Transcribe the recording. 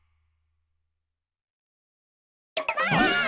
ばあっ！